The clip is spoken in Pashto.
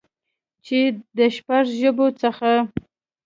چې د شپږ ژبو څخه